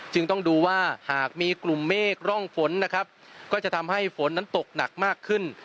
จึงต้องดูว่าหากมีกลุ่มเมฆร่องฝนนะครับก็จะทำให้ฝนนั้นตกหนักมากขึ้น